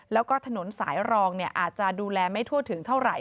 แล้วก็ถนนสายรองอาจจะดูแลไม่ทั่วถึงเท่าไหร